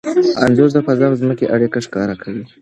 انځور د فضا او ځمکې اړیکه ښکاره کوي.